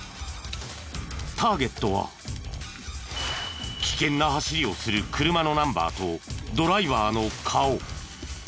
ターゲットは危険な走りをする車のナンバーとドライバーの顔。